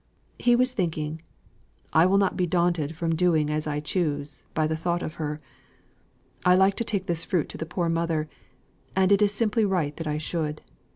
He was thinking, "I will not be daunted from doing as I choose by the thought of her. I like to take this fruit to the poor mother, and it is simply right that I should.